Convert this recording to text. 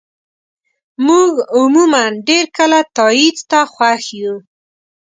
موږ عموماً ډېر کله تایید ته خوښ یو.